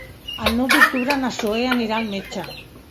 El nou d'octubre na Zoè anirà al metge.